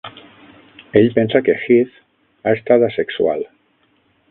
Ell pensa que Heath ha estat asexual.